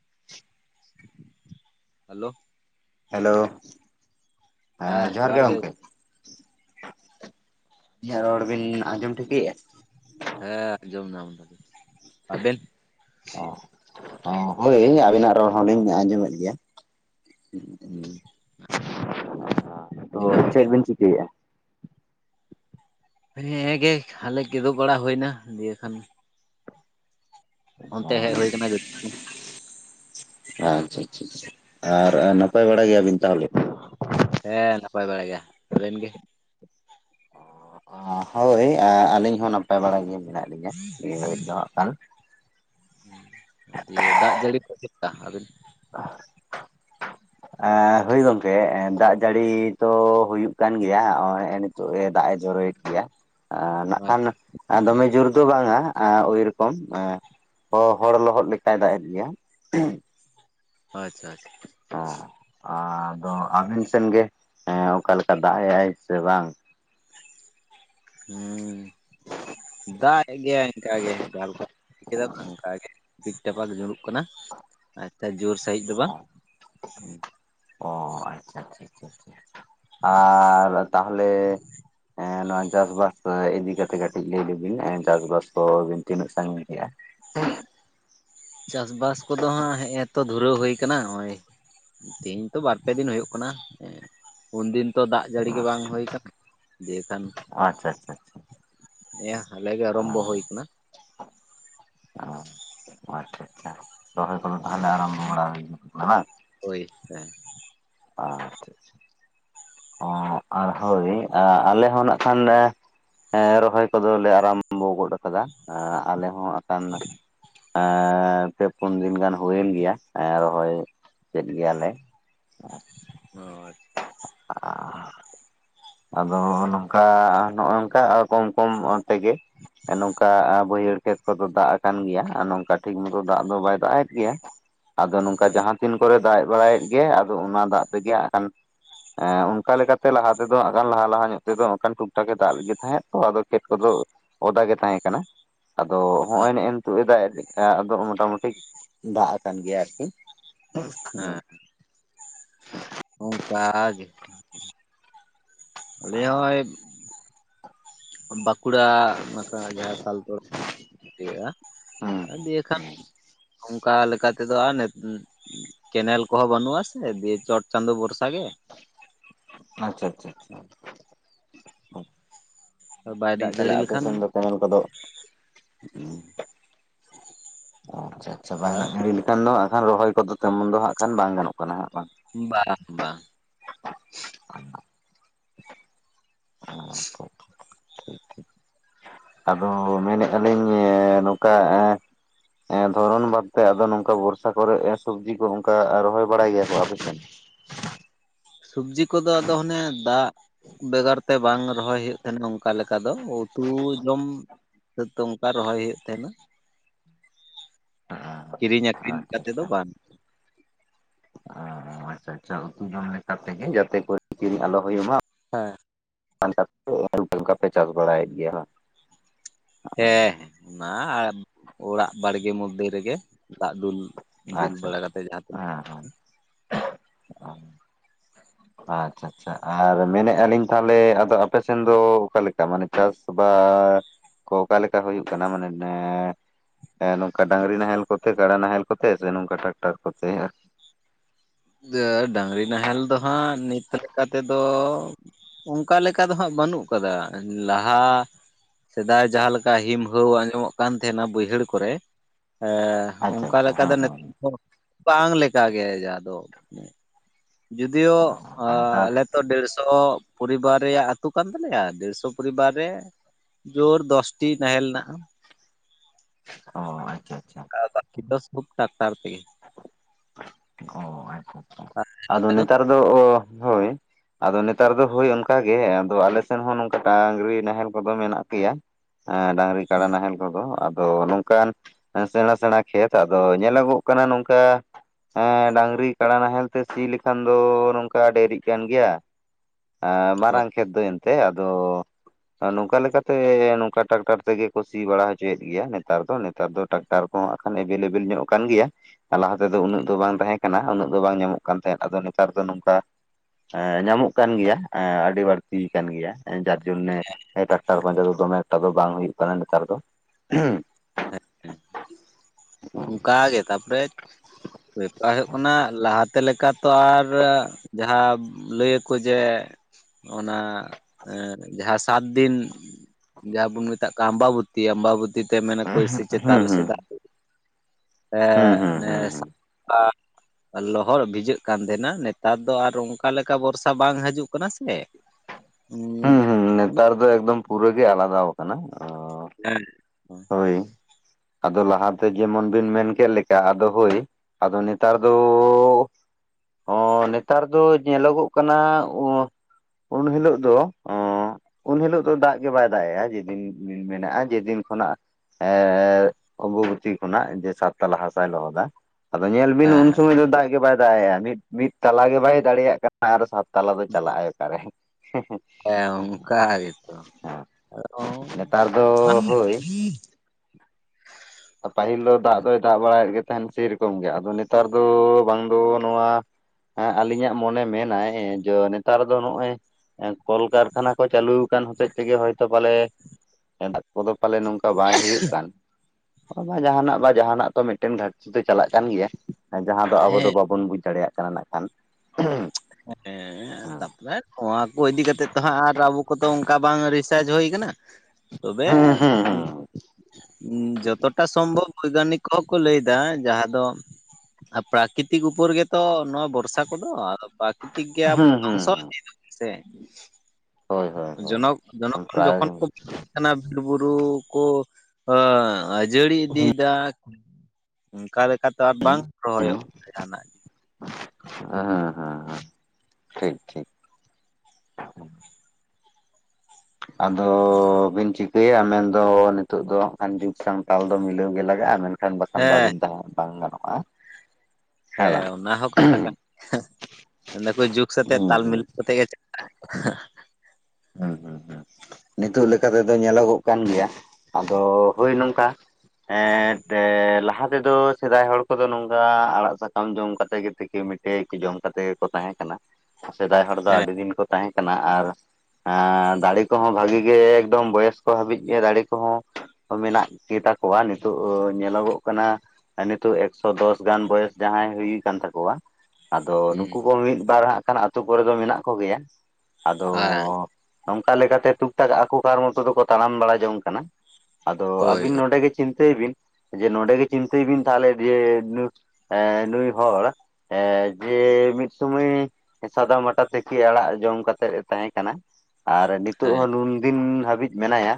[inaudible] Hello hello ᱦᱮᱸ ᱡᱚᱦᱟᱨ ᱜᱮ ᱜᱚᱝᱠᱮ᱾ ᱤᱧᱟᱹᱜ ᱨᱚᱲ ᱵᱤᱱ ᱟᱸᱡᱚᱢ ᱴᱷᱤᱠᱟᱹᱭᱮ ᱟ᱾ ᱦᱮᱸ ᱟᱸᱡᱚᱢ ᱧᱟᱢ ᱫᱟᱞᱤᱧ ᱟᱵᱤᱱ᱾ ᱚᱸ ᱦᱚ ᱦᱳᱭ ᱟᱹᱵᱤᱱᱟᱜ ᱨᱚᱲ ᱦᱚᱸᱞᱤᱧ ᱟᱸᱡᱚᱢᱮᱫ ᱜᱮᱭᱟ᱾ ᱟᱫᱚ ᱪᱮᱫ ᱵᱤᱱ ᱪᱤᱠᱟᱹᱭᱮᱜᱼᱟ? ᱦᱮᱸ ᱜᱮ ᱠᱷᱟᱞᱮ ᱠᱮᱫᱚᱜ ᱵᱟᱲᱟ ᱦᱩᱭᱱᱟ ᱫᱤᱭᱮ ᱠᱷᱟᱱ᱾ ᱚᱱᱛᱮ ᱦᱮᱜ ᱦᱳᱭ ᱟᱪᱪᱷᱟ ᱠᱟᱱᱟ ᱜᱟᱹᱰᱭᱟ ᱠᱚ᱾ ᱟᱪᱪᱷᱟ ᱟᱪᱷᱟ ᱟᱨ ᱱᱟᱯᱟᱭ ᱵᱟᱲᱟ ᱜᱮᱭᱟᱵᱤᱱ ᱛᱟᱦᱞᱮ᱾ ᱦᱮᱸ ᱱᱟᱯᱟᱭ ᱵᱟᱲᱟ ᱜᱮᱭᱟ ᱟᱵᱮᱱ ᱜᱮ᱾ ᱚ ᱟ ᱦᱳᱭ ᱟ ᱟᱹᱞᱤᱧ ᱦᱚᱸ ᱱᱟᱯᱟᱭ ᱵᱟᱲᱟ ᱜᱮ ᱢᱮᱱᱟᱜ ᱞᱤᱧᱟᱹ ᱱᱤᱭᱟᱹ ᱜᱷᱟᱹᱲᱤᱡ ᱫᱚᱦᱟᱜ ᱠᱷᱟᱱ᱾ ᱫᱤᱭᱟᱹ ᱫᱟᱜ ᱡᱟᱹᱲᱤ ᱠᱚ ᱪᱮᱫ ᱞᱮᱠᱟ ᱟᱹᱵᱤᱱ? ᱟᱦ ᱟ ᱦᱳᱭ ᱜᱚᱝᱠᱮ ᱫᱟᱜ ᱡᱟᱹᱲᱤ ᱫᱚ ᱦᱩᱭᱩᱜ ᱠᱟᱱ ᱜᱮᱭᱟᱜ ᱦᱚᱜ-ᱚᱭ ᱱᱤᱛ ᱛᱚᱜ ᱜᱮ ᱫᱟᱜ ᱮ ᱡᱚᱨᱚᱭᱮᱫ ᱜᱮᱭᱟ ᱮ ᱱᱟᱜ ᱠᱷᱟᱱ ᱟᱪᱪᱷᱟ ᱟᱨ ᱫᱚᱢᱮ ᱡᱳᱨ ᱫᱚ ᱵᱟᱝᱟ ᱟ ᱩᱭ ᱨᱚᱠᱚᱢ ᱮᱸ ᱦᱚ ᱦᱚᱲ ᱞᱚᱦᱚᱫ ᱞᱮᱠᱟᱭ ᱫᱟᱜ ᱮᱫ ᱜᱮᱭᱟ᱾ ᱟᱪᱪᱷᱟ ᱟᱪᱪᱷᱟ ᱚ ᱟᱫᱚ ᱟᱵᱤᱱ ᱥᱮᱱ ᱜᱮ ᱮᱸ ᱚᱠᱟᱞᱮᱠᱟ ᱫᱟᱜ ᱮᱟᱭ ᱥᱮ ᱵᱟᱝ? ᱦᱩᱸ ᱫᱟᱜᱮᱫ ᱜᱮ ᱟᱭ ᱤᱱᱠᱟ ᱜᱮ ᱡᱟᱦᱟᱸ ᱞᱮᱠᱟ [unintelligible] ᱤᱝᱠᱟᱹ ᱜᱮ᱾ ᱴᱤᱠ ᱴᱟᱯᱟᱠ ᱧᱩᱨᱩᱜ ᱠᱟᱱᱟ ᱟᱪᱪᱷᱟ ᱡᱳᱨ ᱥᱟᱺᱦᱤᱡ ᱫᱚ ᱵᱟᱝ᱾ ᱚ ᱟᱪᱪᱷᱟ ᱟᱪᱪᱷᱟ ᱟᱪᱷᱟ ᱟᱨ ᱛᱟᱦᱞᱮ ᱮᱸ ᱱᱚᱣᱟ ᱪᱟᱥᱵᱟᱥ ᱠᱚ ᱤᱫᱤ ᱠᱟᱛᱮ ᱠᱟᱹᱴᱤᱡ ᱞᱟᱹᱭ ᱞᱤᱵᱤᱱ ᱪᱟᱥ ᱵᱟᱥ ᱠᱚ ᱵᱤᱱ ᱛᱤᱱᱟᱹᱜ ᱥᱟᱺᱤᱧᱟ ᱠᱮᱜ-ᱟ᱾ ᱦᱮᱸ ᱪᱟᱥ ᱵᱟᱥ ᱠᱚᱫᱚ ᱦᱟᱸᱜ ᱦᱮᱸ ᱮᱛᱚ ᱫᱷᱩᱨᱟᱹᱣ ᱦᱩᱭ ᱠᱟᱱᱟ ᱦᱚᱜ-ᱚᱭ᱾ ᱛᱮᱦᱮᱧ ᱛᱚ ᱵᱟᱨᱯᱮ ᱫᱤᱱ ᱦᱩᱭᱩᱜ ᱠᱟᱱᱟ ᱦᱮᱸ᱾ ᱩᱱᱫᱤᱱ ᱛᱚ ᱫᱟᱜ ᱡᱟᱹᱲᱤ ᱜᱮ ᱵᱟᱝ ᱦᱩᱭ ᱠᱟᱱᱟ ᱫᱤᱭᱟᱹ ᱠᱷᱟᱱ ᱟᱪᱪᱷᱟ ᱟᱪᱪᱷᱟ ᱟᱪᱪᱷᱟ ᱮᱭᱟ ᱦᱟᱞᱮ ᱜᱮ ᱟᱨᱚᱢᱵᱚ ᱦᱩᱭ ᱠᱟᱱᱟ᱾ ᱚ ᱟᱪᱪᱷᱟ ᱟᱪᱪᱷᱟ ᱨᱚᱦᱚᱭ ᱠᱚᱫᱚ ᱛᱟᱦᱞᱮ ᱟᱨᱟᱢᱵᱚ ᱵᱟᱲᱟ ᱦᱩᱭ ᱠᱟᱱᱟ ᱵᱟᱝ᱾ ᱦᱳᱭ ᱥᱮ ᱟ ᱪᱷᱟ ᱪᱷᱟ ᱟ ᱟᱨᱦᱚ [unintelligible] ᱟᱞᱮ ᱦᱚᱸ ᱱᱟᱜ ᱠᱷᱟᱱ ᱞᱮ ᱮᱸ ᱨᱚᱦᱚᱭ ᱠᱚᱫᱚᱞᱮ ᱟᱨᱟᱢᱵᱚ ᱜᱚᱫ ᱠᱟᱫᱟ ᱮ ᱟᱞᱮ ᱦᱚᱸ ᱟᱠᱟᱱ ᱮᱸ ᱯᱮ ᱯᱩᱱ ᱫᱤᱱ ᱜᱟᱱ ᱦᱩᱭᱮᱱ ᱜᱮᱭᱟ ᱮ ᱨᱚᱦᱚᱭ ᱠᱮᱫ ᱜᱮᱭᱟᱞᱮ᱾ ᱚ ᱟᱪᱪᱷᱟ ᱟ ᱟᱫᱚ ᱱᱚᱝᱠᱟ ᱱᱚᱜ-ᱚᱭ ᱱᱚᱝᱠᱟ ᱠᱚᱢ ᱠᱚᱢ ᱛᱮᱜᱮ ᱱᱚᱝᱠᱟ ᱵᱟᱹᱭᱦᱟᱹᱲ ᱠᱷᱮᱛ ᱠᱚᱫᱚ ᱫᱟᱜ ᱟᱠᱟᱱ ᱜᱮᱭᱟ ᱟᱨ ᱱᱚᱝᱠᱟ ᱴᱷᱤᱠ ᱢᱚᱛᱚ ᱫᱟᱜ ᱫᱚ ᱵᱟᱭ ᱫᱟᱜ ᱮᱫ ᱜᱮᱭᱟ ᱟᱫᱚ ᱱᱚᱝᱠᱟ ᱦᱮᱸ ᱡᱟᱦᱟᱸ ᱛᱤᱱ ᱠᱚᱨᱮ ᱫᱟᱜ ᱵᱟᱲᱟᱭᱮᱫ ᱜᱮᱭᱟ ᱟᱫᱚ ᱚᱱᱟ ᱫᱟᱜ ᱛᱮᱜᱮ ᱦᱜ ᱠᱷᱟᱱ ᱚᱱᱠᱟ ᱞᱮᱠᱟᱛᱮ ᱞᱟᱦᱟ ᱛᱮᱫᱚ ᱟᱫᱷᱟᱱ ᱞᱟᱦᱟ ᱞᱟᱦᱟ ᱧᱚᱜ ᱛᱮᱫᱚ ᱚᱱᱠᱟᱱ ᱴᱩᱠᱴᱟᱠᱮ ᱫᱟᱜ ᱞᱮᱜᱮ ᱛᱟᱦᱮᱸᱫ ᱛᱚ ᱟᱫᱚ ᱠᱮᱫ ᱠᱚᱫᱚ ᱚᱫᱟ ᱜᱮ ᱛᱟᱦᱮᱸ ᱠᱟᱱᱟ ᱟᱫᱚ ᱦᱚᱜ-ᱚᱭ ᱱᱮᱜ ᱮᱱ ᱛᱚᱵᱮ ᱫᱟᱜ ᱤᱫᱤᱜ-ᱟ ᱟᱫᱚ ᱢᱚᱴᱟᱟᱢᱩᱴᱤ ᱫᱟᱜ ᱟᱠᱟᱱ ᱜᱮᱭᱟ ᱟᱨᱠᱤ [unintelligible] ᱚᱝᱠᱟ ᱜᱮ ᱟᱞᱮ ᱟᱨ ᱦᱚᱸᱭ ᱵᱟᱠ ᱠᱩᱲᱟ ᱱᱟᱠᱟ ᱡᱟᱦᱟᱸ ᱥᱟᱞ ᱛᱚᱲᱟ ᱦᱩᱸ ᱤᱭᱟᱹᱜ-ᱟ ᱫᱤᱭᱟᱹ ᱠᱷᱟᱱ ᱚᱝᱠᱟ ᱞᱮᱠᱟ ᱛᱮᱫᱚ ᱟᱨ ᱱᱤᱛ ᱪᱮᱱᱮᱞ ᱠᱚᱦᱚᱸ ᱵᱟᱹᱱᱩᱜ-ᱟ ᱥᱮ ᱫᱤᱭᱮ ᱪᱚᱴ ᱪᱟᱸᱫᱳ ᱵᱚᱨᱥᱟ ᱜᱮ ᱟᱪᱪᱷᱟ ᱟᱪᱪᱷᱟ ᱟᱪᱪᱷᱟ ᱵᱟᱭ ᱞᱤᱧ ᱫᱟᱜ ᱛᱟᱞᱦᱮ ᱡᱟᱹᱲᱤ ᱟᱵᱚ ᱞᱮᱠᱷᱟᱱ ᱥᱮᱱ ᱫᱚ ᱠᱮᱢᱮᱞ ᱠᱚᱫᱚ ᱩᱸ ᱚ ᱟᱪᱪᱷᱟ ᱟᱪᱪᱷᱟ ᱵᱟᱭ ᱦᱮᱸ ᱫᱟᱜ ᱡᱟᱲᱤ ᱠᱷᱟᱱ ᱫᱚ ᱦᱟᱜ ᱠᱷᱟᱱ ᱨᱚᱦᱚᱭ ᱠᱚᱫᱚ ᱛᱮᱢᱚᱱ ᱫᱚ ᱦᱟᱸᱜ ᱠᱷᱟᱱ ᱵᱟᱝ ᱜᱟᱱᱚᱜ ᱠᱟᱱᱟ ᱦᱟᱜ ᱵᱟᱝ ᱵᱟᱝ ᱵᱟᱝ [inaudible] ᱟᱫᱚ ᱢᱮᱱᱮᱫ-ᱟ ᱞᱤᱧ ᱱᱚᱝᱠᱟ ᱮᱸ ᱫᱷᱚᱨᱚᱱ ᱵᱟᱫᱛᱮ ᱱᱚᱝᱠᱟ ᱵᱚᱨᱥᱟ ᱠᱚᱨᱮ ᱥᱚᱵᱡᱤ ᱠᱚ ᱚᱝᱠᱟ ᱨᱚᱦᱚᱭ ᱵᱟᱲᱟᱭ ᱜᱮᱭᱟ ᱠᱚ ᱟᱯᱮᱥᱮᱱ ᱥᱚᱵᱡᱤ ᱠᱚᱫᱚ ᱟᱫᱚ ᱦᱟᱱᱮ ᱫᱟᱜ ᱵᱮᱜᱟᱨ ᱛᱮ ᱵᱟᱝ ᱨᱚᱦᱚᱭ ᱦᱩᱭᱩᱜ ᱛᱟᱦᱮᱱᱟ ᱚᱱᱠᱟ ᱞᱮᱠᱟ ᱫᱚ ᱩᱛᱩ ᱡᱚᱢ ᱥᱚᱫᱚᱢ ᱚᱱᱠᱟ ᱨᱚᱦᱚᱭ ᱦᱩᱭᱩᱜ ᱛᱟᱦᱮᱱᱟ ᱠᱤᱨᱤᱧ ᱟᱠᱷᱨᱤᱧ ᱟᱪᱪᱷᱟ ᱠᱟᱛᱮ ᱫᱚ ᱟᱪᱪᱷᱟ ᱵᱟᱝ ᱟᱪᱪᱷᱟ ᱟᱪᱪᱷᱟ ᱩᱛᱩ ᱡᱚᱢ ᱞᱮᱠᱟ ᱛᱮᱜᱮ ᱡᱟᱛᱮ ᱠᱤᱨᱤᱧ ᱟᱞᱚ ᱦᱩᱭᱩᱜ ᱢᱟ ᱦᱮᱸ ᱚᱱᱠᱟ ᱩᱛᱩ ᱞᱮᱠᱟᱯᱮ ᱪᱟᱥ ᱵᱟᱲᱟᱭᱮᱫ ᱜᱮᱭᱟ ᱦᱮᱸ ᱚᱱᱟ ᱚᱲᱟᱜ ᱵᱟᱲᱜᱮ ᱢᱚᱫᱽᱫᱷᱮ ᱨᱮᱜᱮ ᱫᱟᱜ ᱫᱩᱞ ᱫᱩᱞ ᱟᱪᱷᱟ ᱵᱟᱲᱟ ᱠᱟᱛᱮᱫ ᱡᱟᱦᱟᱸ ᱦᱮᱸ ᱦᱮᱸ ᱟᱪᱪᱷᱟ ᱟᱪᱪᱷᱟ ᱟᱨ ᱢᱮᱱᱮᱫᱼᱟ ᱞᱤᱧ ᱛᱟᱦᱚᱞᱮ ᱟᱫᱚ ᱟᱯᱮᱥᱮᱱ ᱫᱚ ᱚᱠᱟᱞᱮᱠᱟ ᱢᱟᱱᱮ ᱪᱟᱥ ᱵᱟᱥ ᱠᱚ ᱚᱠᱟ ᱞᱮᱠᱟ ᱦᱩᱭᱩᱜ ᱠᱟᱱᱟ ᱢᱟᱱᱮ ᱦᱮᱸ ᱱᱚᱝᱠᱟ ᱰᱟᱝᱨᱤ ᱱᱟᱦᱮᱞ ᱠᱚᱛᱮ ᱠᱟᱰᱟ ᱱᱟᱦᱮᱞ ᱠᱚᱛᱮ ᱥᱮ ᱱᱚᱝᱠᱟ ᱴᱨᱟᱠᱴᱟᱨ ᱠᱚᱛᱮ ᱰᱟᱝᱨᱤ ᱱᱟᱦᱮᱞ ᱫᱚ ᱦᱟᱸᱜ ᱱᱤᱛ ᱞᱮᱠᱟ ᱛᱮᱫᱚ ᱚᱱᱠᱟ ᱞᱮᱠᱟ ᱫᱚ ᱦᱟᱸᱜ ᱵᱟᱹᱱᱩᱜ ᱟᱠᱟᱫᱟ ᱞᱟᱦᱟ ᱥᱮᱫᱟᱭ ᱡᱟᱦᱟᱸ ᱞᱮᱠᱟ ᱦᱤᱢ ᱦᱟᱹᱣ ᱟᱸᱡᱚᱢᱚᱜ ᱠᱟᱱ ᱛᱟᱦᱮᱱᱟ ᱵᱟᱹᱭᱦᱟᱹᱲ ᱠᱚᱨᱮ ᱟᱪᱪᱷᱟ ᱚᱱᱠᱟ ᱟᱪᱪᱷᱟ ᱞᱮᱠᱟ ᱫᱚ ᱱᱤᱛ ᱦᱮᱸ ᱫᱚ ᱵᱟᱝ ᱞᱮᱠᱟᱜᱮ ᱡᱟᱦᱟᱸ ᱫᱚ ᱡᱚᱫᱤᱭᱳ ᱦᱮᱸ ᱱᱮᱛᱟᱨ ᱟᱞᱮ ᱰᱮᱲᱥᱚ ᱯᱚᱨᱤᱵᱟᱨ ᱨᱮᱭᱟᱜ ᱟᱹᱛᱩ ᱠᱟᱱ ᱛᱟᱞᱮᱭᱟ ᱰᱮᱲᱥᱚ ᱯᱚᱨᱤᱵᱟᱨ ᱨᱮ ᱡᱳᱨ ᱫᱚᱥᱴᱤ ᱱᱟᱦᱮᱞ ᱢᱮᱱᱟᱜᱼᱟ ᱚ ᱟᱪᱪᱷᱟ ᱟᱪᱪᱷᱟ ᱟᱨ ᱵᱟᱠᱤ ᱫᱚ ᱥᱳᱵᱽ ᱴᱟᱠᱴᱟᱨ ᱛᱮᱜᱮ ᱚ ᱟᱪᱪᱷᱟ ᱟᱪᱷᱟ ᱟᱨ ᱟᱫᱚ ᱟᱯᱮ ᱱᱮᱛᱟᱨ ᱫᱚ ᱦᱳᱭ ᱟᱫᱚ ᱱᱮᱛᱟᱨ ᱫᱚ ᱦᱳᱭ ᱚᱱᱠᱟ ᱜᱮ ᱟᱫᱚ ᱟᱞᱮ ᱥᱮᱱ ᱦᱚᱸ ᱱᱚᱝᱠᱟ ᱰᱟᱝᱨᱤ ᱱᱟᱦᱮᱞ ᱠᱚᱫᱚ ᱢᱮᱱᱟᱜ ᱜᱮᱭᱟ ᱰᱟᱝᱨᱤ ᱠᱟᱰᱟ ᱱᱟᱦᱮᱞ ᱠᱚᱫᱚ ᱟᱫᱚ ᱱᱚᱝᱠᱟᱱ ᱥᱮᱬᱟ ᱥᱮᱬᱟ ᱠᱷᱮᱛ ᱟᱫᱚ ᱧᱮᱞᱚᱜᱚᱜ ᱠᱟᱱᱟ ᱱᱚᱝᱠᱟ ᱦᱮᱸ ᱰᱟᱝᱨᱤ ᱠᱟᱰᱟ ᱱᱟᱦᱮᱞ ᱛᱮ ᱥᱤ ᱞᱮᱠᱷᱟᱱ ᱫᱚ ᱱᱚᱝᱠᱟ ᱫᱮᱨᱤᱜ ᱠᱟᱱ ᱜᱮᱭᱟ ᱦᱳᱭ ᱢᱟᱨᱟᱝ ᱠᱷᱮᱛ ᱫᱚ ᱮᱱᱛᱮ ᱟᱫᱚ ᱱᱚᱝᱠᱟ ᱞᱮᱠᱟᱛᱮ ᱱᱚᱝᱠᱟ ᱴᱨᱟᱠᱴᱟᱨ ᱛᱮᱜᱮ ᱠᱚ ᱥᱤ ᱵᱟᱲᱟ ᱾ ᱦᱚᱪᱚᱭᱮᱫ ᱜᱮᱭᱟ ᱱᱮᱛᱟᱨ ᱫᱚ, ᱟᱫᱚ ᱴᱟᱠᱴᱟᱨ ᱠᱚᱼᱦᱚᱸ ᱦᱟᱜ ᱠᱷᱟᱱ ᱮᱵᱮᱞᱮᱵᱮᱞ ᱧᱚᱜ ᱟᱠᱟᱱ ᱜᱮᱭᱟ᱾ ᱞᱟᱦᱟ ᱛᱮᱫᱚ ᱩᱱᱟᱹᱜ ᱫᱚ ᱵᱟᱝ ᱛᱟᱦᱮᱸ ᱠᱟᱱᱟ᱾ ᱩᱱᱟᱹᱜ ᱫᱚ ᱵᱟᱝ ᱧᱟᱢᱚᱜ ᱠᱟᱱ ᱛᱟᱦᱮᱸᱫ, ᱟᱫᱚ ᱱᱮᱛᱟᱨ ᱫᱚ ᱱᱚᱝᱠᱟ᱾ ᱧᱟᱢᱚᱜ ᱠᱟᱱ ᱜᱮᱭᱟ᱾ ᱟᱹᱰᱤ ᱵᱟᱹᱲᱛᱤ ᱠᱟᱱ ᱜᱮᱭᱟ᱾ ᱡᱚᱱᱱᱮ ᱴᱨᱟᱠᱴᱟᱨ ᱯᱟᱸᱡᱟ ᱫᱚ ᱫᱚᱢᱮᱸ ᱮᱠᱴᱟ ᱫᱚ ᱵᱟᱝ ᱦᱩᱭᱩᱼᱜ ᱠᱟᱱᱟ᱾ ᱱᱮᱛᱟᱨ ᱫᱚ ᱚᱱᱠᱟᱜᱮ ᱛᱟᱯᱚᱨᱮ, ᱵᱮᱯᱟᱨ ᱦᱩᱭᱩᱜ ᱠᱟᱱᱟ ᱞᱟᱦᱟ ᱛᱮ ᱞᱮᱠᱟ᱾ ᱛᱚ ᱟᱨ ᱡᱟᱦᱟᱸ ᱞᱟᱹᱭᱟᱠᱚ ᱡᱮ ᱚᱱᱟ ᱡᱟᱦᱟᱸ ᱥᱟᱛ ᱫᱤᱱ ᱡᱟᱦᱟᱸ ᱵᱚᱱ ᱢᱮᱛᱟᱜ ᱠᱚ ᱟᱢᱵᱟᱵᱚᱛᱤ, ᱟᱢᱵᱟᱵᱚᱛᱤ ᱛᱮ ᱢᱮᱱᱟ ᱠᱚ ᱥᱮ [unintelligible] ᱦᱩᱸ ᱦᱩᱸ ᱫᱟᱜ ᱦᱩᱸ ᱦᱩᱸ ᱦᱮᱸ ᱦᱩᱸ ᱚᱱᱮ ᱦᱩᱸ [unintelligible] ᱞᱚᱦᱚᱫ ᱵᱷᱤᱡᱟᱹᱜ ᱠᱟᱱ ᱛᱟᱦᱮᱱᱟ᱾ ᱱᱮᱛᱟᱨ ᱫᱚ ᱟᱨ ᱚᱱᱠᱟ ᱞᱮᱠᱟ ᱵᱚᱨᱥᱟ ᱵᱟᱝ ᱦᱤᱡᱩᱜ ᱠᱟᱱᱟ ᱥᱮ᱾ ᱦᱩᱸ ᱦᱩᱸ ᱚᱱᱟ ᱱᱮᱛᱟᱨ ᱫᱚ ᱮᱠᱫᱚᱢ ᱯᱩᱨᱟᱹ ᱜᱮ ᱟᱞᱟᱫᱟ ᱠᱟᱱᱟ᱾ ᱦᱮᱸ ᱦᱳᱭ, ᱟᱫᱚ ᱞᱟᱦᱟᱛᱮ ᱡᱮᱢᱚᱱ ᱵᱤᱱ ᱢᱮᱱ ᱠᱮᱫ ᱞᱮᱠᱟ ᱾ᱟᱫᱚ ᱦᱳᱭ ᱟᱫᱚ ᱱᱮᱛᱟᱨ ᱫᱚ ᱚ ᱱᱮᱛᱟᱨ ᱫᱚ ᱧᱮᱞᱚᱜᱚᱜ ᱠᱟᱱᱟ ᱩᱱ ᱦᱤᱞᱚᱜ ᱫᱚ ᱩᱱ ᱦᱤᱞᱳᱜ ᱫᱚ ᱫᱟᱜ ᱜᱮ ᱵᱟᱭ ᱫᱟᱜ ᱮᱼᱟ᱾ ᱡᱮᱫᱤᱱ ᱢᱮᱱᱟᱜᱼᱟ ᱡᱮᱫᱤᱱ ᱠᱷᱚᱱᱟᱜ ᱮᱸ ᱟᱢᱵᱚᱵᱚᱛᱤ ᱠᱷᱚᱱᱟᱼᱜ ᱡᱮ ᱥᱟᱛᱛᱟᱞ ᱦᱟᱥᱟᱭ ᱞᱚᱦᱚᱫᱟ᱾ ᱟᱫᱚ ᱧᱮᱞ ᱵᱤᱱ ᱩᱱ ᱦᱮᱸ ᱥᱚᱢᱚᱭ ᱫᱚ ᱫᱟᱜ ᱜᱮ ᱵᱟᱭ ᱫᱟᱜ ᱮᱼᱟ᱾ ᱢᱤᱫ-ᱢᱤᱫ ᱛᱟᱞᱟ ᱜᱮ ᱵᱟᱭ ᱫᱟᱲᱮᱭᱟ-ᱜ ᱠᱟᱱᱟ᱾ ᱟᱨ ᱥᱟᱛᱛᱟᱞᱟ ᱫᱚ ᱪᱟᱞᱟᱜ ᱟᱭ ᱚᱠᱟᱨᱮ ᱦᱮᱸ ᱚᱱᱠᱟ ᱜᱮᱛᱚ᱾ ᱛᱚ ᱦᱳᱭ ᱯᱟᱹᱦᱤᱞ ᱫᱚ ᱫᱟᱜ ᱫᱚᱭ ᱫᱟᱜ ᱵᱟᱲᱟᱭᱮᱫ, ᱜᱮ ᱛᱟᱦᱮᱱ ᱥᱮᱨᱚᱠᱚᱢ ᱜᱮ, ᱟᱫᱚ ᱱᱮᱛᱟᱨ ᱫᱚ ᱵᱟᱝ ᱫᱚ ᱱᱚᱣᱟ᱾ ᱦᱮᱸ ᱟᱞᱤᱧᱟᱜ ᱢᱚᱱᱮ ᱢᱮᱱᱟᱭ ᱦᱮᱸ ᱡᱚ ᱱᱮᱛᱟᱨ ᱫᱚ ᱱᱚᱜᱼᱚᱭ ᱠᱚᱞ ᱠᱟᱨᱠᱷᱟᱱᱟ ᱠᱚ ᱪᱟᱞᱩᱶ ᱠᱟᱱ ᱦᱚᱛᱮᱡ ᱛᱮᱜᱮ ᱦᱭᱛᱳ ᱯᱟᱞᱮ ᱠᱚᱼᱫᱚ ᱯᱟᱞᱮ ᱱᱚᱝᱠᱟ ᱵᱟᱭ ᱦᱩᱭᱩᱜ ᱠᱟᱱ ᱚᱱᱟ ᱡᱟᱦᱟᱱᱟᱜ ᱵᱟ ᱡᱟᱦᱟᱱᱟᱜ ᱛᱚ ᱢᱤᱫᱴᱮᱱ, ᱜᱷᱟᱴᱛᱤ ᱫᱚ ᱪᱟᱞᱟᱜ ᱠᱟᱱ ᱜᱮᱭᱟ᱾ ᱡᱟᱦᱟᱸ ᱫᱚ ᱟᱵᱚ ᱫᱚ ᱦᱮᱸ ᱵᱟᱵᱚᱱ ᱵᱩᱡᱽ ᱫᱟᱲᱮᱭᱟᱼᱜ ᱠᱟᱱᱟ᱾ ᱱᱟᱜ ᱠᱷᱟᱱ ᱦᱮᱸ ᱛᱟᱯᱨᱮᱫ ᱱᱚᱣᱟ ᱠᱚ ᱤᱫᱤ ᱠᱟᱛᱮᱜ ᱛᱚ ᱦᱟᱸᱜ, ᱟᱨ ᱟᱵᱚ ᱠᱚᱼᱫᱚ ᱚᱝᱠᱟ ᱵᱟᱝ ᱨᱤᱥᱟᱨᱪ ᱦᱩᱭ ᱟᱠᱟᱱᱟ᱾ ᱛᱚᱵᱮ ᱦᱩᱸ ᱦᱩᱸ ᱡᱚᱛᱚᱴᱟ ᱥᱚᱢᱵᱷᱚᱵ ᱵᱳᱭᱜᱟᱱᱤᱠ ᱠᱚ, ᱠᱚ ᱞᱟᱹᱭ ᱮᱫᱟ᱾ ᱡᱟᱦᱟᱸ ᱫᱚ ᱟᱨ ᱯᱨᱟᱠᱤᱛᱤᱠ ᱩᱯᱚᱨ ᱜᱮᱛᱚ ᱱᱚᱣᱟ ᱵᱚᱨᱥᱟ ᱠᱚᱼᱫᱚ ᱯᱨᱟᱠᱤᱛᱤᱠ ᱜᱮ ᱦᱩᱸ ᱟᱵᱚ ᱦᱩᱸ ᱫᱽᱷᱚᱝᱥᱚ ᱦᱩᱸ ᱤᱫᱤᱭ ᱫᱟᱵᱚᱱ ᱥᱮ ᱦᱳᱭ ᱦᱳᱭ ᱦᱳᱭ ᱡᱮᱱᱚᱠ, ᱡᱚᱱᱚᱜ ᱠᱷᱚᱱ ᱯᱨᱟᱭ ᱡᱚᱠᱷᱚᱱ ᱠᱚ ᱦᱩᱸ ᱚᱱᱠᱟᱱᱟᱜ ᱵᱤᱨᱵᱩᱨᱩ ᱠᱚ ᱟᱹᱡᱟᱹᱲᱤ ᱤᱫᱤᱭᱮᱫᱟ ᱚᱱᱠᱟ ᱞᱮᱠᱟ ᱛᱚ ᱟᱨ ᱵᱟᱝ ᱨᱚᱦᱚᱭᱚᱜ ᱠᱟᱱᱟ᱾ ᱡᱟᱦᱟᱱᱟᱜ ᱜᱮ ᱦᱩᱸ ᱦᱩᱸ ᱦᱩᱸ ᱴᱷᱤᱠ ᱴᱷᱤᱠ ᱟᱫᱚ ᱵᱤᱱ ᱪᱤᱫ ᱤᱭᱟᱹᱭᱟ ᱢᱮᱱᱫᱚ ᱱᱤᱛᱚᱜ ᱫᱚ ᱱᱟᱜᱠᱷᱟᱱ᱾ ᱡᱩᱜ ᱥᱟᱢᱴᱟᱞ ᱫᱚ ᱢᱤᱞᱟᱹᱣ ᱜᱮ ᱞᱟᱜᱟᱜᱼᱟ ᱾ᱢᱮᱱ ᱠᱷᱮᱱ ᱵᱟᱠᱷᱟᱱ, ᱦᱮᱸ ᱵᱟᱤᱱ ᱛᱟᱦᱮᱱᱟ ᱵᱟᱝ ᱜᱟᱱᱚᱜᱼᱟ? ᱦᱮᱸ ᱚᱱᱟ ᱦᱚᱸ ᱠᱟᱛᱷᱟ ᱠᱟᱱ ᱢᱮᱱᱫᱟ ᱠᱚ ᱡᱩᱜᱽ ᱥᱟᱛᱮᱜ, ᱦᱩᱸ ᱛᱟᱞ ᱦᱩᱸ ᱢᱤᱞᱟᱹᱣ ᱠᱟᱛᱮ ᱜᱮ ᱪᱟᱞᱟ-ᱜ ᱦᱩᱭᱩᱜ ᱟ᱾ ᱦᱩᱸ ᱦᱩᱸ ᱦᱩᱸ ᱱᱤᱛᱚᱜ ᱞᱮᱠᱟᱛᱮᱫᱚ ᱧᱮᱞᱚᱜᱚᱜ ᱠᱟᱱ ᱜᱮᱭᱟ, ᱟᱫᱚ ᱦᱳᱭ ᱱᱚᱝᱠᱟ᱾ ᱦᱮᱸ ᱫᱮ ᱞᱟᱦᱟ ᱛᱮᱫᱚ ᱥᱮᱫᱟᱭ ᱦᱚᱲ ᱠᱚᱫᱚ ᱱᱚᱝᱠᱟ ᱟᱲᱟᱜ ᱥᱟᱠᱟᱢ ᱡᱚᱢ ᱠᱟᱛᱮ ᱜᱮᱼᱼ ᱠᱤ ᱢᱤᱫᱴᱮᱡᱠᱤ ᱡᱚᱢ ᱠᱟᱛᱮ ᱠᱚ ᱛᱟᱦᱮᱸ ᱠᱟᱱᱟ ᱥᱮᱫᱟᱭ ᱦᱚᱲ ᱫᱚ ᱦᱮᱸ ᱟᱹᱰᱤ ᱫᱤᱱ ᱠᱚ ᱛᱟᱦᱮᱸ ᱠᱟᱱᱟ ᱟᱨᱼᱼ ᱫᱟᱬᱮ ᱠᱚᱦᱚᱸ ᱵᱷᱟᱜᱤ ᱜᱮ ᱮᱠᱫᱚᱢ ᱵᱚᱭᱚᱥ ᱠᱚ ᱦᱟᱹᱵᱤᱡ ᱜᱮ ᱫᱟᱬᱮ ᱠᱚᱦᱚᱸᱼᱼ ᱢᱮᱱᱟᱜ ᱜᱮᱛᱟ ᱠᱚᱣᱟ ᱱᱤᱛᱚᱜ ᱧᱮᱞᱚᱜᱚᱜ ᱠᱟᱱᱟ᱾ ᱱᱤᱛᱚᱜ ᱮᱠᱥᱚ ᱫᱚᱥ ᱜᱟᱱ ᱵᱚᱭᱮᱥ ᱡᱟᱦᱟᱸᱭ ᱦᱩᱭ ᱠᱟᱱ ᱛᱟᱠᱚᱣᱟ᱾ ᱟᱫᱚ ᱦᱮᱸ ᱱᱩᱠᱩ ᱠᱚ ᱢᱤᱫ ᱵᱟᱨ ᱦᱟᱸᱜ ᱠᱷᱟᱱ ᱟᱛᱩ ᱠᱚᱨᱮ ᱫᱚ ᱢᱮᱱᱟᱜ ᱠᱚᱜᱮᱭᱟ ᱟᱫᱚᱼᱼ ᱝᱠᱟ ᱞᱮᱠᱟᱛᱮ ᱴᱩᱠ ᱴᱟᱠ ᱟᱠᱚ ᱠᱟᱨ ᱢᱚᱛᱚ ᱫᱚᱠᱚ ᱛᱟᱲᱟᱢ ᱵᱟᱲᱟ ᱡᱚᱝ ᱠᱟᱱᱟ᱾ ᱟᱫᱚ ᱦᱳᱭ ᱟᱹᱵᱤᱱ ᱦᱳᱭ ᱱᱚᱰᱮᱜ ᱪᱤᱱᱛᱟᱹᱭ ᱵᱤᱱ ᱡᱮ ᱱᱚᱰᱮᱜᱮ ᱪᱤᱱᱛᱟᱹᱭ ᱵᱤᱱ ᱛᱟᱦᱚᱞᱮ ᱡᱮᱼᱼ ᱦᱮᱸ ᱱᱩᱭ ᱦᱚᱲᱼᱼ ᱮ ᱡᱮ ᱢᱤᱫ ᱥᱩᱢᱟᱹᱭ ᱥᱟᱫᱟ ᱢᱟᱴᱟ ᱛᱤᱠᱤ ᱟᱲᱟᱜ ᱡᱚᱢ ᱠᱟᱛᱮᱜ ᱮ ᱛᱟᱦᱮᱸ ᱠᱟᱱᱟ᱾ ᱟᱨ ᱱᱤᱛᱚᱜ ᱦᱮᱸ ᱦᱚᱸ ᱱᱩᱱᱫᱤᱱ ᱦᱟᱹᱵᱤᱡ ᱢᱮᱱᱟᱭᱟ᱾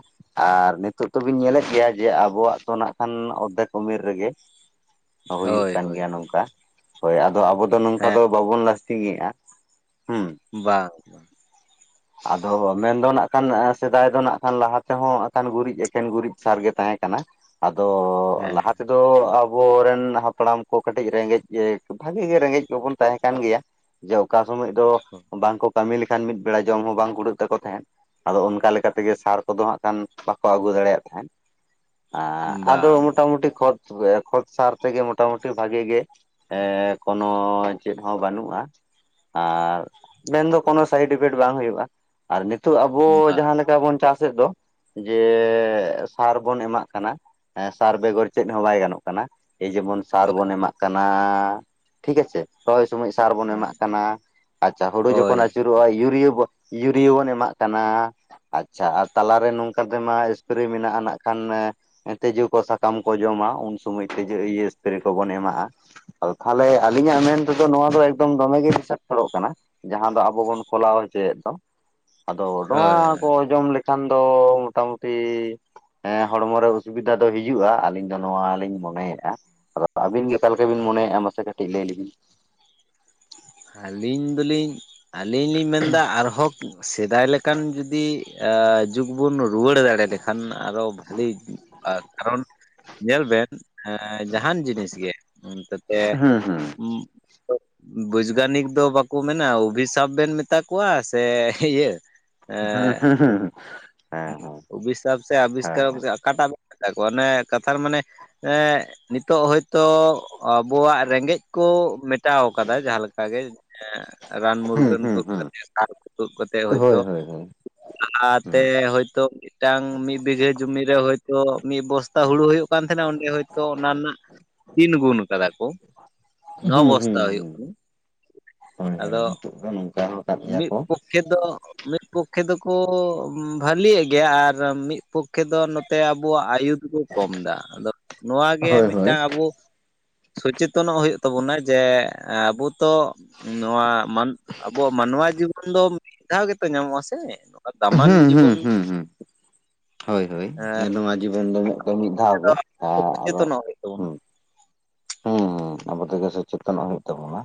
ᱟᱨ ᱱᱤᱛᱳᱜ ᱛᱚᱵᱤᱱ ᱧᱮᱞᱮᱫ ᱜᱮᱭᱟ ᱡᱮ ᱟᱵᱚᱣᱟᱜ ᱫᱚᱚ ᱱᱟᱜ ᱠᱷᱟᱱ ᱚᱨᱫᱷᱮᱠ ᱩᱢᱮᱨ ᱨᱮᱜᱮᱼᱼ ᱦᱩᱭᱩᱜ ᱦᱳᱭ ᱠᱟᱱ ᱦᱳᱭ ᱜᱮᱭᱟ ᱱᱚᱝᱠᱟ ᱦᱳᱭ ᱟᱫᱚ ᱟᱵᱚ ᱫᱚ ᱱᱚᱝᱠᱟ ᱦᱮᱸ ᱫᱚ ᱵᱟᱵᱚᱱ ᱞᱟᱥᱴᱤᱝᱮᱼᱟ᱾ ᱦᱩᱸ ᱵᱟᱝ ᱟᱫᱚ ᱢᱮᱱᱫᱚ ᱱᱟᱜ ᱠᱷᱟᱱ ᱥᱮᱫᱟᱭ ᱫᱚ ᱱᱟᱜ ᱠᱷᱟᱱ ᱞᱟᱦᱟ ᱛᱮᱦᱚᱸ ᱦᱟᱸᱜ ᱠᱷᱟᱱ ᱜᱩᱨᱤᱡ ᱮᱠᱮᱱ ᱜᱩᱨᱤᱡ ᱥᱟᱨ ᱜᱮ ᱛᱟᱦᱮᱸ ᱠᱟᱱᱟ᱾ ᱟᱫᱚ ᱦᱮᱸ ᱞᱟᱦᱟᱼᱼ ᱛᱮᱫᱚ ᱟᱵᱚᱨᱮᱱ ᱦᱟᱯᱲᱟᱢ ᱠᱚ ᱠᱟᱹᱴᱤᱡ ᱨᱮᱸᱜᱮᱡ ᱵᱷᱟᱜᱤ ᱜᱮ ᱨᱮᱸᱜᱮᱡ ᱠᱚᱵᱚᱱ ᱛᱟᱦᱮᱸ ᱠᱟᱱ ᱜᱮᱭᱟ᱾ ᱡᱮ ᱚᱠᱟ ᱥᱚᱢᱚᱭ ᱫᱚ ᱵᱟᱝ ᱠᱚ ᱠᱟᱹᱢᱤ ᱞᱮᱠᱷᱟᱱ ᱢᱤᱫ ᱵᱮᱲᱟ ᱡᱚᱢ ᱦᱚᱸ ᱵᱟᱝ ᱠᱩᱲᱟᱹᱜ ᱛᱟᱠᱚ ᱛᱟᱦᱮᱸᱫ᱾ ᱟᱫᱚ ᱚᱱᱠᱟ ᱛᱮᱜᱮ ᱥᱟᱨ ᱠᱚᱫᱚ ᱦᱟᱸᱜ ᱠᱷᱟᱱ ᱵᱟᱠᱚ ᱟᱹᱜᱩ ᱫᱟᱲᱮᱭᱟᱜ ᱛᱟᱦᱮᱸᱫᱼᱼ ᱟᱫᱚ ᱵᱟᱝ ᱢᱚᱴᱟ ᱢᱩᱴᱤ ᱠᱷᱚᱛ ᱠᱷᱚᱛ ᱥᱟᱨ ᱛᱮᱜᱮ ᱢᱚᱴᱟᱢᱩᱴᱤ ᱵᱷᱟᱜᱤ ᱜᱮᱼᱼ ᱮᱸᱻ ᱠᱳᱱᱳ ᱪᱮᱫ ᱦᱚᱸ ᱵᱟᱹᱱᱩᱜᱼᱟ ᱟᱨ ᱢᱮᱱᱫᱚ ᱠᱳᱱᱳ ᱥᱟᱭᱤᱰᱮᱯᱷᱼᱼ ᱵᱟᱝ ᱦᱩᱭᱩᱜᱼᱟ ᱟᱨ ᱱᱤᱛᱚᱜ ᱟᱵᱚ ᱵᱟᱝ ᱡᱟᱦᱟᱸ ᱞᱮᱠᱟ ᱵᱚᱱ ᱪᱟᱥᱮᱫ ᱫᱚ᱾ ᱡᱮ ᱥᱟᱨ ᱵᱚᱱ ᱮᱢᱟᱜ ᱠᱟᱱᱟ ᱥᱟᱨ ᱵᱮᱜᱚᱨ ᱪᱮᱫ ᱦᱚᱸ ᱵᱟᱭ ᱜᱟᱱᱚᱜ ᱠᱟᱱᱟ᱾ ᱮ ᱡᱮᱢᱚᱱ ᱥᱟᱨ ᱦᱳᱭ ᱵᱚᱱ ᱮᱢᱟᱜ ᱠᱟᱱᱟ᱾ ᱴᱷᱤᱠ ᱟᱪᱷᱮ ᱨᱚᱦᱚᱭ ᱥᱩᱢᱚᱭ ᱥᱟᱨ ᱵᱚᱱ ᱦᱮᱸ ᱮᱢᱟᱜ ᱠᱟᱱᱟ ᱟᱪᱪᱷᱟ ᱦᱩᱲᱩ ᱦᱳᱭ ᱡᱚᱠᱷᱚᱱ ᱟᱹᱪᱩᱨᱚᱜᱼᱟ ᱭᱩᱼᱼ ᱤᱭᱟᱹ ᱵᱚ ᱤᱭᱩᱨᱤᱭᱟᱹ ᱵᱚᱱ ᱮᱢᱟᱜ ᱠᱟᱱᱟ᱾ ᱟᱪᱪᱷᱟ ᱟᱨ ᱛᱟᱞᱟᱨᱮ ᱱᱚᱝᱠᱟ ᱛᱮᱢᱟ ᱮᱯᱨᱮ ᱢᱮᱱᱟᱜᱼᱟ ᱱᱟᱜ ᱠᱷᱟᱱᱼᱼ ᱛᱮᱡᱳ ᱠᱚ ᱥᱟᱠᱟᱢ ᱠᱚ ᱡᱚᱢᱟ ᱩᱱ ᱥᱚᱢᱚᱭ ᱛᱮᱡᱳ ᱤᱭᱟᱹ ᱥᱯᱨᱮ ᱠᱚᱵᱚᱱ ᱮᱢᱟᱜᱼᱟ᱾ ᱟᱫᱚ ᱛᱟᱦᱚᱞᱮ ᱟᱹᱞᱤᱧᱟᱜ ᱢᱮᱱ ᱛᱮᱫᱚ ᱱᱚᱣᱟ ᱫᱚ ᱮᱠᱫᱚᱢ ᱫᱚᱢᱮ ᱜᱮ ᱵᱤᱥᱟᱜᱼᱼ ᱯᱷᱳᱞᱳᱜ ᱠᱟᱱᱟ ᱡᱟᱦᱟᱸ ᱫᱚ ᱟᱵᱚ ᱵᱚᱱ ᱠᱚᱞᱟᱣ ᱦᱚᱪᱚᱭᱮᱫ ᱫᱚ ᱟᱫᱚ ᱱᱚᱣᱟ ᱦᱳᱭ ᱠᱚᱼᱼ ᱡᱚᱢ ᱞᱮᱠᱷᱟᱱ ᱫᱚ ᱢᱚᱴᱟ ᱢᱩᱴᱤᱼᱼ ᱮᱸ ᱦᱚᱲᱢᱚ ᱨᱮ ᱚᱥᱩᱵᱤᱫᱷᱟ ᱫᱚ ᱦᱤᱡᱩᱜᱼᱟ ᱟᱹᱞᱤᱧ ᱫᱚ ᱱᱚᱣᱟ ᱞᱤᱧ ᱢᱚᱱᱮᱭᱮᱜᱼᱟ᱾ ᱟᱫᱚ ᱟᱹᱵᱤᱱ ᱜᱮ ᱚᱠᱟ ᱞᱮᱠᱟ ᱵᱤᱱ ᱢᱚᱱᱮᱜᱼᱟ ᱢᱟᱥᱮ ᱠᱟᱹᱴᱤᱡ ᱞᱟᱹᱭ ᱞᱮᱵᱤᱱ? ᱟᱹᱞᱤᱧ ᱫᱚᱞᱤᱧ ᱟᱹᱞᱤᱧ ᱞᱤᱧ ᱢᱮᱱᱫᱟ ᱟᱨᱦᱚᱸᱼᱼ ᱥᱮᱫᱟᱭ ᱞᱮᱠᱟᱱ ᱡᱩᱫᱤ ᱮᱻ ᱡᱩᱜᱽ ᱵᱚᱱ ᱨᱩᱣᱟᱹᱲ ᱫᱟᱲᱮ ᱞᱮᱠᱷᱟᱱ ᱟᱨᱚ ᱵᱷᱟᱹᱞᱤᱼᱟ ᱠᱟᱨᱚᱱᱼᱼ ᱧᱮᱞ ᱵᱮᱱ ᱮᱻ ᱡᱟᱦᱟᱱ ᱡᱤᱱᱤᱥ ᱜᱮ ᱛᱟᱛᱮ ᱦᱩᱸ ᱼᱼ ᱵᱳᱡᱜᱟᱱᱤᱠ ᱫᱚ ᱵᱟᱠᱚ ᱢᱮᱱᱟ ᱚᱵᱷᱤᱥᱟᱯ ᱵᱮᱱ ᱢᱮᱛᱟ ᱠᱚᱣᱟ ᱥᱮ ᱤᱭᱟᱹᱼᱼ ᱦᱩᱸ ᱦᱩᱸ ᱦᱩᱸ ᱚᱵᱤᱥᱟᱯ ᱥᱮ ᱟᱵᱤᱥᱠᱟᱨᱚᱠ ᱚᱠᱟᱴᱟᱜ ᱢᱮ ᱠᱚᱣᱟ ᱚᱱᱮ ᱠᱟᱛᱷᱟ ᱢᱟᱱᱮ ᱮᱸᱻ ᱱᱤᱛᱚᱜ ᱦᱳᱭᱛᱚ ᱟᱵᱚᱣᱟᱜ ᱨᱮᱸᱜᱮᱡ ᱠᱚ ᱢᱮᱴᱟᱣ ᱟᱠᱟᱫᱟ ᱡᱟᱦᱟᱸ ᱞᱮᱠᱟ ᱜᱮᱼᱼ ᱨᱟᱱ ᱦᱩᱸ ᱢᱩᱨᱜᱟᱹᱱ ᱦᱩᱸ ᱛᱩᱫ ᱦᱮᱸ ᱦᱮᱸ ᱠᱟᱛᱮ ᱥᱟᱨ ᱠᱚ ᱛᱩᱫ ᱠᱟᱛᱮ ᱦᱳᱭ ᱦᱚᱭᱛᱳ ᱦᱳᱭ ᱦᱩᱸ ᱦᱩᱸ ᱦᱩᱸ ᱦᱳᱭ ᱦᱳᱭ ᱦᱳᱭ ᱦᱩᱸ ᱟᱨᱼᱼ ᱮ ᱦᱳᱭᱛᱳ ᱢᱤᱫᱴᱟᱝ ᱢᱤᱫ ᱵᱤᱜᱷᱟᱹ ᱡᱚᱢᱤ ᱨᱮ ᱦᱳᱭᱛᱳ ᱢᱤᱫ ᱵᱚᱥᱼᱼ ᱛᱟ ᱦᱩᱲᱩ ᱦᱩᱭᱩᱜ ᱠᱟᱱ ᱛᱟᱦᱮᱱᱟ ᱚᱸᱰᱮ ᱦᱚᱭᱛᱳ ᱚᱱᱟ ᱨᱮᱱᱟᱜ ᱛᱤᱱ ᱜᱩᱱ ᱠᱟᱫᱟ ᱠᱚ᱾ ᱱᱚ ᱦᱩᱸ ᱦᱩᱸ ᱵᱚᱥᱛᱟ ᱩ ᱦᱩᱭᱩᱜ ᱩ ᱠᱟᱱᱟ ᱦᱳᱭ ᱦᱳᱭ, ᱱᱤᱛᱳᱜ ᱫᱚ ᱱᱚᱝᱠᱟ ᱟᱠᱟᱫ ᱜᱮᱭᱟ ᱠᱚ᱾ ᱠᱷᱮᱛ ᱫᱚ ᱢᱤᱫ ᱯᱚᱠᱠᱷᱮ ᱫᱚᱠᱚ ᱵᱷᱟᱞᱤᱭᱮᱜ ᱜᱮᱭᱟ ᱟᱨ ᱢᱤᱫ ᱯᱚᱠ ᱠᱷᱮ ᱫᱚ ᱱᱚᱛᱮ ᱟᱵᱚᱣᱟᱜ ᱟᱭᱩ ᱫᱚᱠᱩ ᱠᱚᱢ ᱮᱫᱟ ᱟᱫᱚ ᱱᱚᱣᱟᱜᱮ ᱦᱳᱭ ᱦᱳᱭ ᱢᱤᱫᱴᱟᱝ ᱟᱵᱚ ᱥᱚᱪᱮᱛᱚᱱᱚᱜ ᱦᱩᱭᱩᱜ ᱛᱟᱵᱚᱱᱟ ᱡᱮ ᱟᱵᱚ ᱛᱚ ᱱᱚᱣᱟ ᱢᱟᱱ ᱟᱵᱚᱣᱟᱜ ᱢᱟᱱᱣᱟ ᱡᱤᱵᱚᱱ ᱫᱚ ᱢᱤᱫ ᱫᱷᱟᱣ ᱜᱮᱛᱚ ᱧᱟᱢᱚᱜᱼᱟ ᱥᱮ ᱱᱚᱣᱟ ᱫᱟᱢᱟᱱ ᱦᱩᱸ ᱡᱤᱵᱚᱱ ᱦᱩᱸ ᱦᱩᱸ᱾ ᱦᱳᱭ ᱦᱳᱭ ᱱᱚᱣᱟ ᱡᱤᱵᱚᱱ ᱫᱚ ᱢᱤᱫ ᱫᱷᱟᱣ ᱜᱮ, ᱨᱮᱫᱚ ᱟᱫᱚ ᱥᱚᱪᱮᱛᱚᱱᱚᱜ ᱦᱩᱭᱩᱜ ᱛᱟᱵᱚᱱᱟ ᱦᱩᱸ ᱦᱩᱸ ᱦᱸ, ᱟᱵᱚ ᱛᱮᱜᱮ ᱥᱚᱪᱮᱛᱚᱱᱚᱜ ᱦᱩᱭᱩᱜ ᱛᱟᱵᱚᱱᱟ᱾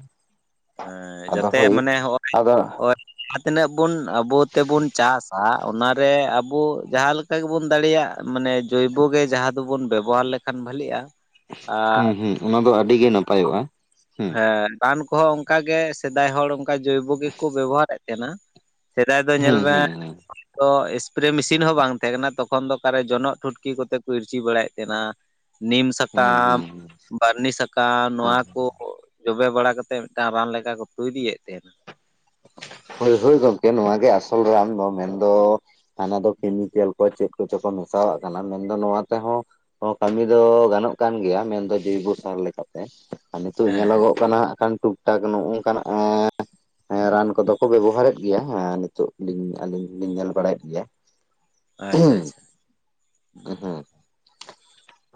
ᱦᱮᱸ ᱟᱫᱚ ᱡᱟᱛᱮ ᱦᱳᱭ ᱢᱟᱱᱮ ᱦᱚᱜᱼᱚᱭ ᱟᱫᱚ ᱚᱨ ᱡᱟᱦᱟᱸ ᱛᱤᱱᱟᱹᱜ ᱵᱚᱱ ᱟᱵᱚ ᱛᱮᱵᱚᱱ ᱪᱟᱥᱟ ᱚᱱᱟᱨᱮ ᱟᱵᱚ ᱡᱟᱦᱟᱸ ᱞᱮ ᱠᱟ ᱜᱮᱵᱚᱱ ᱫᱟᱲᱮᱭᱟᱜ ᱢᱟᱱᱮ ᱡᱳᱭᱵᱚ ᱜᱮ ᱡᱟᱦᱟᱸ ᱫᱚᱵᱚᱱ ᱵᱮᱵᱚᱦᱟᱨ ᱞᱮᱠᱷᱟᱱ ᱵᱷᱟᱹᱞᱤᱜᱼᱟ᱾ ᱦᱩᱸ ᱦᱩᱸ ᱚᱱᱟ ᱫᱚ ᱟᱹᱰᱤ ᱜᱮ ᱱᱟᱯᱟᱭᱚᱜᱼᱟ ᱦᱩᱸ᱾ ᱦᱮᱸ ᱨᱟᱱ ᱠᱚᱦᱚᱸ ᱚᱱᱠᱟᱜᱮ ᱥᱮᱫᱟᱭ ᱦᱚᱲ ᱚᱱᱠᱟ ᱡᱳᱭᱵᱚ ᱜᱮᱠᱚ ᱵᱮᱵᱚᱦᱟᱨᱮᱫ ᱛᱟᱦᱮᱱᱟ᱾ ᱥᱮᱫᱟᱭ ᱫᱚ ᱦᱩᱸ ᱧᱮᱞ ᱢᱮ [inaudible] ᱛᱚ ᱤᱥᱯᱨᱮ ᱢᱮᱥᱤᱱ ᱦᱚᱸ ᱵᱟᱝ ᱛᱟᱦᱮᱸ ᱠᱟᱱᱟ ᱛᱚᱠᱷᱚᱱ ᱫᱚ ᱚᱠᱟᱨᱮ ᱡᱚᱱᱚᱜ ᱴᱷᱩᱴᱠᱤ ᱠᱚᱛᱮ ᱠᱚ ᱤᱨᱪᱤ ᱵᱟᱲᱟᱭᱮᱫ ᱛᱟᱦᱮᱱᱟ᱾ ᱱᱤᱢ ᱦᱩᱸ ᱥᱟᱠᱟᱢ ᱦᱩᱸ ᱵᱟᱹᱨᱱᱤ ᱥᱟᱠᱟᱢ ᱦᱩᱸ ᱱᱚᱣᱟᱠᱩ ᱠᱚ ᱡᱚᱵᱮ ᱵᱟᱲᱟ ᱠᱟᱛᱮᱫ ᱴᱟᱝ ᱨᱟᱱ ᱞᱮᱠᱟ ᱠᱚ ᱛᱳᱭᱨᱤᱭᱮᱫ ᱛᱟᱦᱮᱱᱟ᱾ ᱦᱳᱭ ᱦᱳᱭ ᱜᱚᱢᱠᱮ ᱱᱚᱣᱟ ᱜᱮ ᱟᱥᱚᱞ ᱨᱟᱱ ᱫᱚ ᱢᱮᱱᱫᱚ ᱦᱟᱱᱟ ᱫᱚ ᱠᱮᱢᱤᱠᱮᱞ ᱠᱚ ᱪᱮᱫ ᱠᱚᱪᱚ ᱠᱚ ᱢᱮᱥᱟᱣᱟᱜ ᱠᱟᱱᱟ ᱢᱮᱱᱫᱚ ᱱᱚᱣᱟ ᱛᱮᱦᱚᱸ ᱚ ᱠᱟᱹᱢᱤ ᱫᱚ ᱜᱟᱱᱚᱜ ᱠᱟᱱ ᱜᱮᱭᱟ ᱢᱮᱱᱫᱚ ᱡᱳᱭᱵᱚ ᱥᱟᱨ ᱞᱮᱠᱟ᱾ ᱟᱨ ᱱᱤᱛᱳᱜ ᱦᱮᱸ ᱦᱮᱸ ᱧᱮᱞᱚᱜᱚᱜ ᱠᱟᱱᱟ ᱦᱟᱸᱜ ᱠᱷᱟᱱ ᱴᱩᱠ ᱴᱟᱠ ᱱᱚᱜᱚᱼᱝᱠᱟᱱᱟᱜ ᱮᱸ ᱮᱸ ᱨᱟᱱ ᱠᱚᱫᱚ ᱠᱚ ᱵᱮᱵᱚᱦᱟᱨᱮᱫ ᱜᱮᱭᱟ ᱦᱮᱸ ᱱᱤᱛᱚᱜ ᱞᱤᱧ ᱟᱞᱤᱧ ᱞᱤᱧ ᱧᱮᱞ ᱵᱟᱲᱟᱭᱮᱫ ᱜᱮᱭᱟ᱾ ᱟᱪᱪᱷᱟ ᱟᱪᱪᱷᱟ᱾ ᱮ ᱦᱮ᱾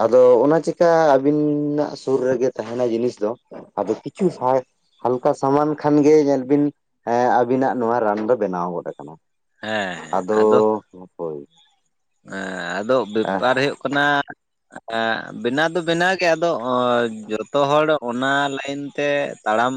ᱟᱫᱚ ᱚᱱᱟ ᱪᱮᱠᱟ ᱟᱵᱤᱱᱟᱜ ᱥᱩᱨ ᱨᱮᱜᱮ ᱛᱟᱦᱮᱱᱟ ᱡᱤᱱᱤᱥ ᱫᱚ᱾ ᱟᱫᱚ ᱠᱤᱪᱷᱩ ᱦᱟᱞ ᱦᱟᱞᱠᱟ ᱥᱟᱢᱟᱱ ᱠᱷᱟᱱ ᱜᱮ ᱧᱮᱞ ᱵᱤᱱ ᱮᱸ ᱟᱵᱤᱱᱟᱜ ᱱᱚᱣᱟ ᱨᱟᱱ ᱫᱚ ᱵᱮᱱᱟᱣ ᱜᱚᱫ ᱟᱠᱟᱱᱟ ᱦᱮᱸ ᱦᱮᱸ ᱟᱫᱚ ᱦᱳᱭ ᱮᱸ ᱟᱫᱚ ᱵᱮᱯᱟᱨ ᱦᱩᱭᱩᱜ ᱠᱟᱱᱟ [inaudible] ᱮᱸᱜ ᱵᱮᱱᱟᱣ ᱫᱚ ᱵᱮᱱᱟᱣ ᱜᱮ ᱟᱫᱚ ᱡᱚᱛᱚ ᱦᱚᱲ ᱚᱱᱟ ᱞᱟᱹᱭᱤᱱ ᱛᱮ ᱛᱟᱲᱟᱢ